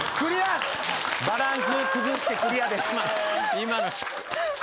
今の。